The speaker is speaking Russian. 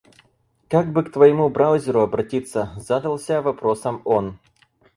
«Как бы к твоему браузеру обратиться?» — задался вопросом он.